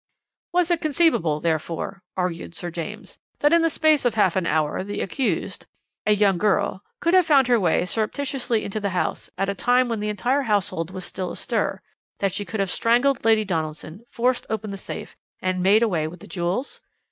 "'Was it conceivable, therefore,' argued Sir James, 'that in the space of half an hour the accused a young girl could have found her way surreptitiously into the house, at a time when the entire household was still astir, that she should have strangled Lady Donaldson, forced open the safe, and made away with the jewels?